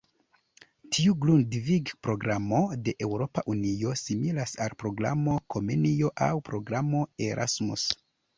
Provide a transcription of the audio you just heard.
Tiu Grundvig-programo de Eŭropa Unio similas al programo Komenio aŭ programo Erasmus.